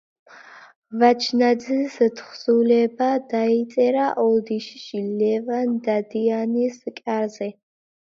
ვაჩნაძის თხზულება დაიწერა ოდიშში, ლევან დადიანის კარზე.